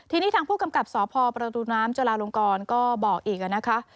ทีนี้ทางผู้กำกับสพประตูน้ำจุลาลงกรก็บอกอีกนะคะ